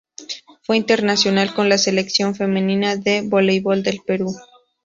Fue internacional con la Selección femenina de voleibol de Perú.